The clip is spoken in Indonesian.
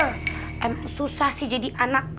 emang susah sih jadi anak